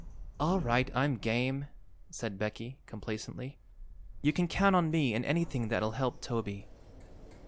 "All right; I'm game," said Becky, complacently. "You can count on me in anything that'll help Toby."